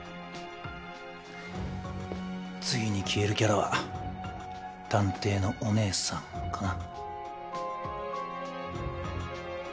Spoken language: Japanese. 次に消えるキャラは探偵のおねえさんかな？